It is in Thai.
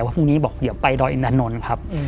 ว่าพรุ่งนี้บอกอย่าไปดอยน์ดานนท์ครับ